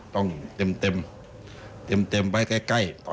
ต้องเต็มไว้ใกล้